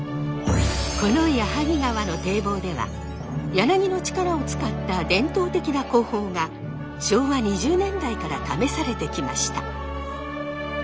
この矢作川の堤防では柳の力を使った伝統的な工法が昭和２０年代から試されてきました。